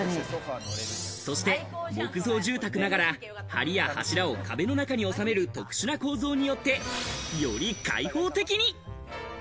そして、木造住宅ながら、梁や柱を壁の中に収める特殊な構造によって、より開放的に。